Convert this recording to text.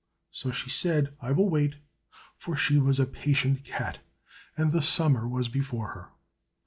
So she said, "I will wait!" for she was a patient cat, and the summer was before her.